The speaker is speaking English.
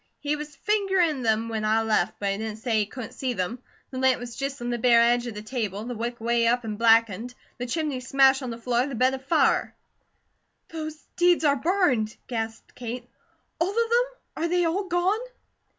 He was fingerin' them when I left, but he didn't say he couldn't see them. The lamp was just on the bare edge of the table, the wick way up an' blackened, the chimney smashed on the floor, the bed afire." "Those deeds are burned?" gasped Kate. "All of them? Are they all gone?"